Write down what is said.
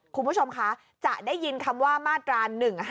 คุณผู้ชมคะจะได้ยินคำว่ามาตรา๑๕